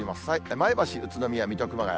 前橋、宇都宮、水戸、熊谷。